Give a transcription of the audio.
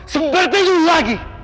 seperti ini lagi